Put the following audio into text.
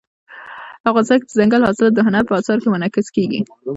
افغانستان کې دځنګل حاصلات د هنر په اثار کې منعکس کېږي.